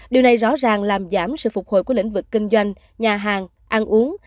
điều này rõ ràng làm giảm sự phục hồi của lĩnh vực kinh doanh nhà hàng ăn uống